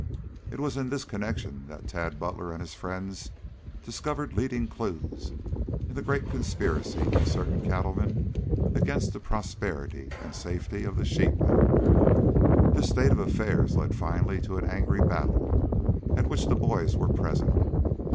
It was in this connection that Tad Butler and his friends discovered leading clues in the great conspiracy of certain cattle men against the prosperity and safety of the sheep men. This state of affairs led finally to an angry battle, at which the boys were present.